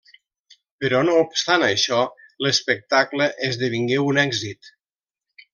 Però, no obstant això, l'espectacle esdevingué un èxit.